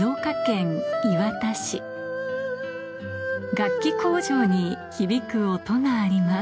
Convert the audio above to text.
楽器工場に響く音があります